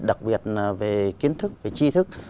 đặc biệt là về kiến thức về chi thức